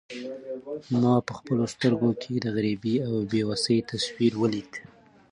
ما په خپلو سترګو کې د غریبۍ او بې وسۍ تصویر ولید.